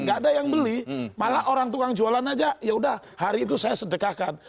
gak ada yang beli malah orang tukang jualan aja yaudah hari itu saya sedekahkan